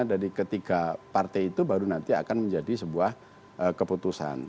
dari ketiga partai itu baru nanti akan menjadi sebuah keputusan